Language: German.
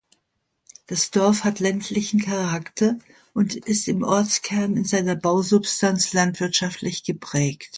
Das Dorf hat ländlichen Charakter und ist im Ortskern in seiner Bausubstanz landwirtschaftlich geprägt.